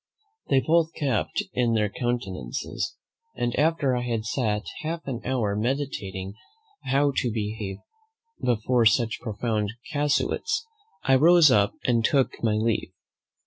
They both kept their countenances, and after I had sat half an hour meditating how to behave before such profound casuists, I rose up and took my leave.